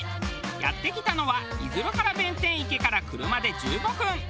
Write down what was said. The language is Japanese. やって来たのは出流原弁天池から車で１５分。